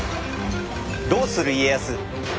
「どうする家康」。